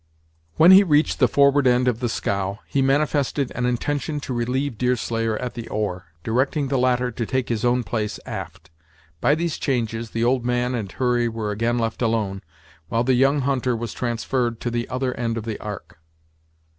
When he reached the forward end of the scow, he manifested an intention to relieve Deerslayer at the oar, directing the latter to take his own place aft. By these changes, the old man and Hurry were again left alone, while the young hunter was transferred to the other end of the ark.